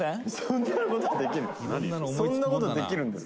「そんな事できる？」